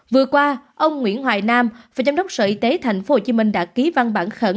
vừa qua ông nguyễn hoài nam phó giám đốc sở y tế tp hcm đã ký văn bản khẩn